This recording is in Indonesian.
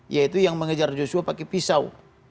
yaitu yang mengejar joshua pakai pisau